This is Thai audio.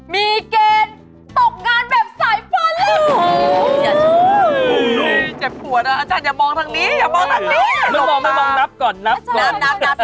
มีเกณฑ์ตกงานแบบสายฟันเลย